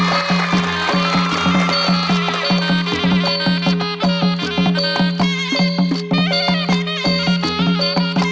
อะไรอ่ะอะไรอ่ะ